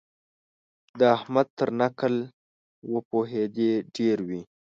د احمد تر نکل وپوهېدې ډېر وي.